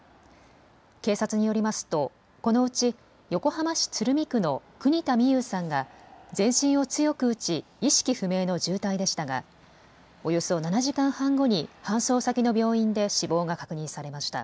警察によりますとこのうち横浜市鶴見区の國田美佑さんが全身を強く打ち意識不明の重体でしたがおよそ７時間半後に搬送先の病院で死亡が確認されました。